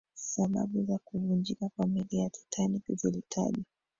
sababu za kuvunjika kwa meli ya titanic zilitajwa